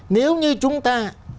nếu như chúng ta